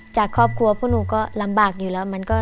จากครอบครัวพวกหนูก็ลำบากอยู่แล้ว